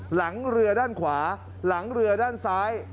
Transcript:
หลังเรือด้านขวาหลังเรือด้านซ้าย